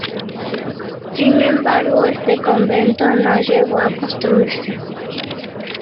Sin embargo, este convento no llegó a construirse.